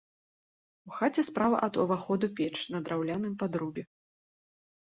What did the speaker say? У хаце справа ад уваходу печ на драўляным падрубе.